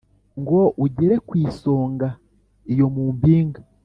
Ngo ugere ku isonga iyo mu mpinga